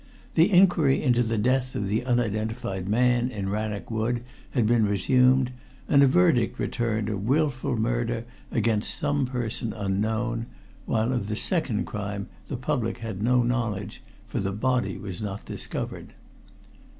The inquiry into the death of the unidentified man in Rannoch Wood had been resumed, and a verdict returned of willful murder against some person unknown, while of the second crime the public had no knowledge, for the body was not discovered.